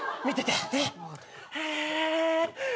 見てて。